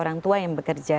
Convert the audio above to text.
orang tua yang bekerja